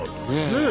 ねえ！